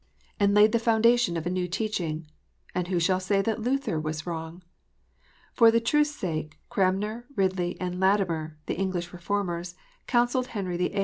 373 and laid the foundation of a new teaching. And who shall dare to say that Luther was wrong ? For the truth s sake, Cranmer, Bidley, and Latimer, the English Reformers, counselled Henry VIII.